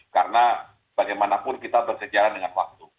karena bagaimanapun kita berkejar dengan waktu